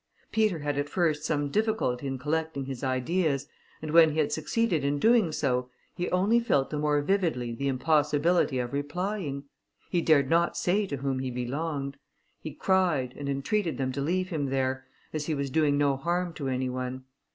Peter had at first some difficulty in collecting his ideas, and when he had succeeded in doing so, he only felt the more vividly the impossibility of replying. He dared not say to whom he belonged. He cried, and entreated them to leave him there, as he was doing no harm to any one.